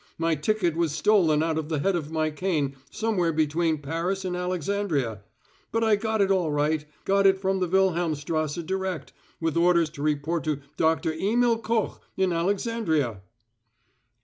My ticket was stolen out of the head of my cane somewhere between Paris and Alexandria. But I got it all right got it from the Wilhelmstrasse direct, with orders to report to Doctor Emil Koch, in Alexandria!"